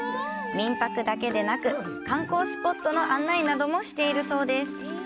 民泊だけでなく観光スポットの案内などもしているそうです。